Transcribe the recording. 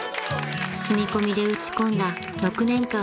［住み込みで打ち込んだ６年間の修業］